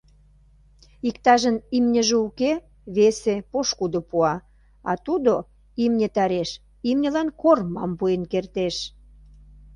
Иктажын имньыже уке — весе, пошкудо, пуа, а тудо имне тареш имньылан кормам пуэн кертеш.